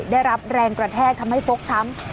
ได้รับแรงกระแทกทำให้ฟกช้ำ